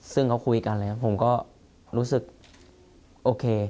ซึ่งเขาคุยกันอะไรอย่างนี้ผมก็รู้สึกโอเค